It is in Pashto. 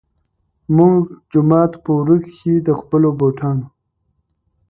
مونږ جومات پۀ ورۀ کښې د خپلو بوټانو